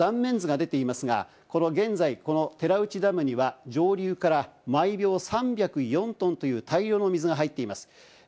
この断面図が出ていますが、この現在、この寺内ダムには、上流から毎秒３０４トンという対応の水が入っています。